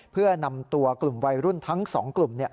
เพื่อนำตัวกลุ่มวัยรุ่นทั้ง๒กลุ่ม